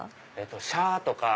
「シャー」とか。